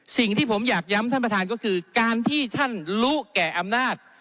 สิ่งที่ผมอยากย้ำท่านประธานก็คือการที่ท่านรู้แก่อำนาจ